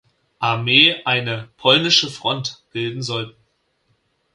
Armee eine "Polnische Front" bilden sollten.